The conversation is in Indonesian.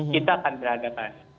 kita akan berhadapan